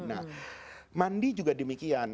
nah mandi juga demikian